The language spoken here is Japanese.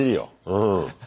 うん。